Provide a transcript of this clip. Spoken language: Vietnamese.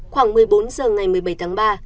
khoảng một mươi bốn h ngày một mươi bảy tháng ba